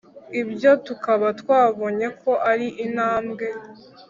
ibyo tukaba twabonyeko ari intambwe